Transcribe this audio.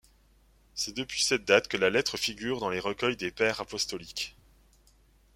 C'est depuis cette date que la lettre figure dans les recueils des Pères apostoliques.